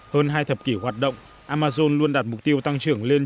hơn hai thập kỷ hoạt động amazon luôn đạt mục tiêu tăng trưởng lên